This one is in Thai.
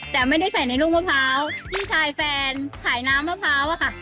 แต่ไม่ได้ใส่ในลูกมะพร้าวพี่ชายแฟนขายน้ำมะพร้าวอะค่ะ